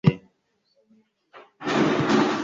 bwakorewe muri polonye bwagaragaje